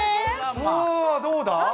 さあ、どうだ？